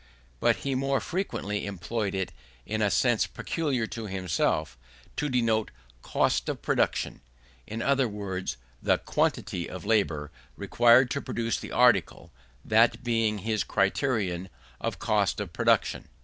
But he more frequently employed it in a sense peculiar to himself, to denote cost of production; in other words, the quantity of labour required to produce the article; that being his criterion of cost of production.